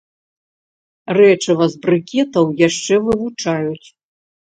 Рэчыва з брыкетаў яшчэ вывучаюць.